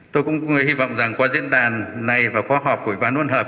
tôi cũng hy vọng rằng qua diễn đàn này và khóa họp của ủy ban luân hợp